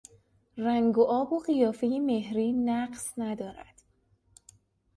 رنگ و آب و قیافهی مهری نقص ندارد.